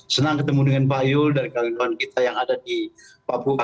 senang ketemu dengan pak yul dan kawan kawan kita yang ada di papua